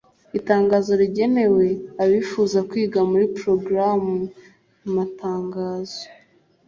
itangazo rigenewe abifuza kwiga muri porogaramu matangazo